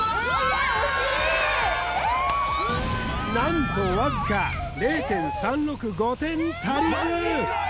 ええ何とわずか０．３６５点足りず！